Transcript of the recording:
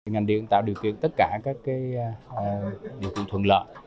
ngành điện tạo điều kiện tất cả các điều kiện thuận lợi